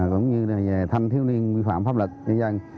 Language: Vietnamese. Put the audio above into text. cũng như về thanh thiếu liên vi phạm pháp lực cho dân